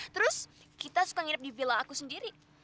terus kita suka ngirip di villa aku sendiri